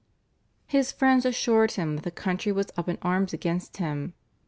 His friends assured him that the country was up in arms against him.